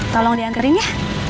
tolong diangkering ya